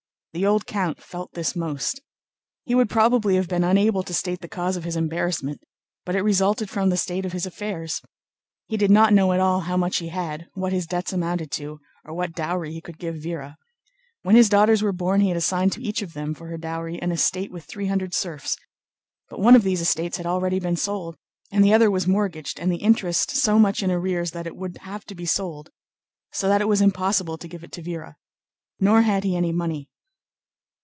The old count felt this most. He would probably have been unable to state the cause of his embarrassment, but it resulted from the state of his affairs. He did not know at all how much he had, what his debts amounted to, or what dowry he could give Véra. When his daughters were born he had assigned to each of them, for her dowry, an estate with three hundred serfs; but one of these estates had already been sold, and the other was mortgaged and the interest so much in arrears that it would have to be sold, so that it was impossible to give it to Véra. Nor had he any money.